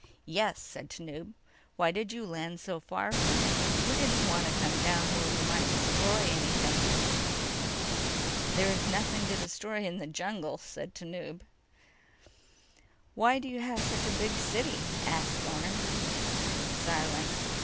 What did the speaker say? "Yes," said Tanub. "Why did you land so far from it?" "We didn't want to come down where we might destroy anything." "There is nothing to destroy in the jungle," said Tanub. "Why do you have such a big city?" asked Orne. Silence.